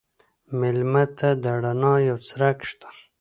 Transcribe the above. مېلمه ته د رڼا یو څرک شه.